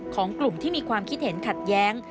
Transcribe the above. ของกลุ่มที่มีความคิดเห็นขัดแย้ง